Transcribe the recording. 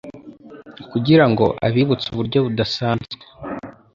kugirango abibutse uburyo budasanzwe